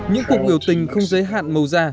những cuộc biểu tình không giới hạn màu da